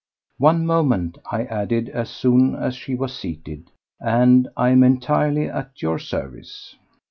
"One moment," I added, as soon as she was seated, "and I am entirely at your service."